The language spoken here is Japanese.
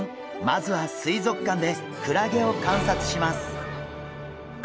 まずは水族館でクラゲを観察します。